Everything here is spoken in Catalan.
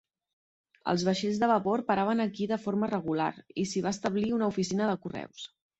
Els vaixells de vapor paraven aquí de forma regular i s'hi va establir una oficina de correus.